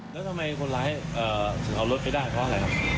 แล้วทำไมคนร้ายถึงเอารถไปได้เพราะอะไรครับ